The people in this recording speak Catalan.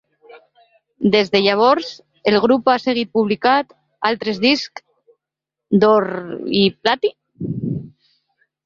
Des de llavors, el grup ha seguit publicant altres discs d'or i platí.